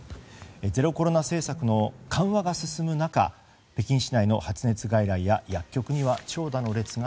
ゼロコロナ政策の緩和が進む中北京市内の発熱外来や薬局には長蛇の列が